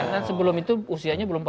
karena sebelum itu usianya belum empat puluh